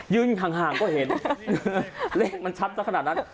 ห่างก็เห็นเลขมันชัดสักขนาดนั้น